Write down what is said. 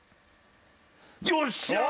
よっしゃー！